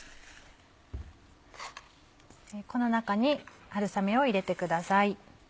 この中に春雨を入れてください。